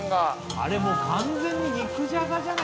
あれ完全に肉じゃがじゃない？